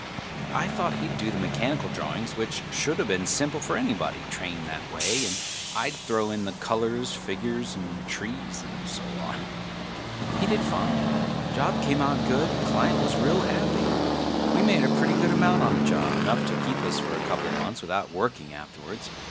I thought he'd do the mechanical drawings, which shoulda been simple for anybody trained that way, and I'd throw in the colors, figures and trees and so on. He did fine. Job came out good; client was real happy. We made a pretty good amount on the job, enough to keep us for a coupla months without working afterwards.